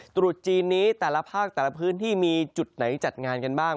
ตรุษจีนนี้แต่ละภาคแต่ละพื้นที่มีจุดไหนจัดงานกันบ้าง